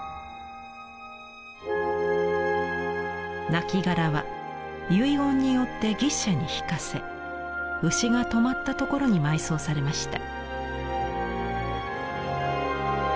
なきがらは遺言によって牛車に引かせ牛が止まった所に埋葬されました。